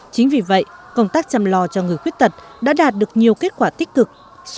chính vì vậy công tác chăm lo cho người khuyết tật đã đạt được nhiều kết quả tích cực